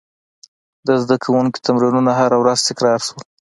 د زده کوونکو تمرینونه هره ورځ تکرار شول.